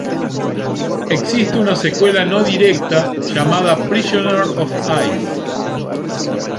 Existe una secuela no directa llamada "Prisoner of Ice".